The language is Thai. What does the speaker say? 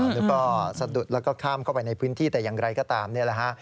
แล้วก็สะดุดแล้วก็ข้ามเข้าไปในพื้นที่แต่อย่างไรก็ตามนี่แหละฮะ